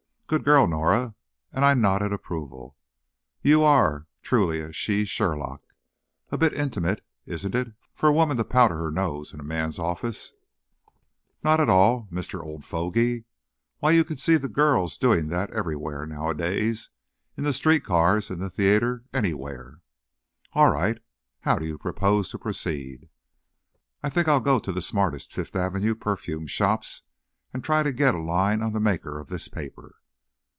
"Good girl, Norah!" and I nodded approval. "You are truly a She Sherlock! A bit intimate, isn't it, for a woman to powder her nose in a man's office?" "Not at all, Mr. Old Fogey! Why, you can see the girls doing that everywhere, nowadays. In the street cars, in the theater, anywhere." "All right. How do you propose to proceed?" "I think I'll go to the smartest Fifth Avenue perfume shops and try to get a line on the maker of this paper."